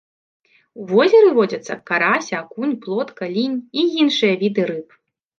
У возеры водзяцца карась, акунь, плотка, лінь і іншыя віды рыб.